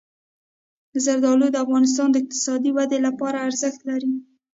زردالو د افغانستان د اقتصادي ودې لپاره ارزښت لري.